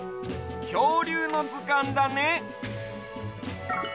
きょうりゅうのずかんだね。